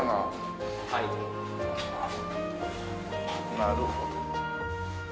なるほど。